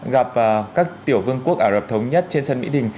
gặp các tiểu vương quốc ả rập thống nhất trên sân mỹ đình